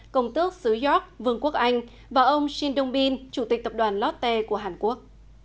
công tước sứ york vương quốc anh và ông shin dong bin chủ tịch tập đoàn lotte của hàn quốc